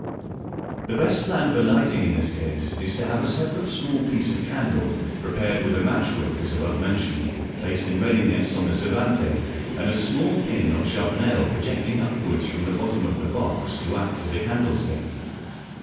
The best plan for lighting in this cas^ is to have a separate small piece of candle, ,<A.. prepared with a match /'" ij wick, as above men tioned, placed in readi ness on the servante, and a small pin or sharp nail projecting upwards from the bot tom of the box to act as a candlestick.